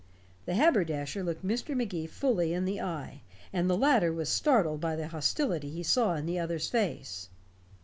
The haberdasher looked Mr. Magee fully in the eye, and the latter was startled by the hostility he saw in the other's face.